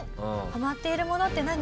ハマっているものって何？